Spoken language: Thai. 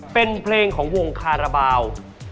เป็นเพลงของวงคาราบาล